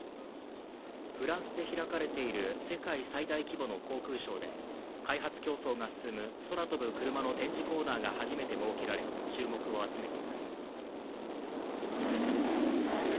フランスで開かれている世界最大規模の航空ショーで開発競争が進む空飛ぶクルマの展示コーナーが初めて設けられ、注目を集めています。